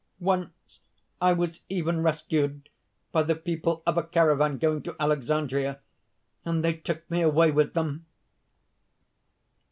Once I was even rescued by the people of a caravan going to Alexandria; and they took me away with them.